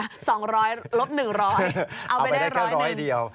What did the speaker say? เอาไปได้แค่ร้อยหนึ่งเอาไปได้แค่ร้อยเดียว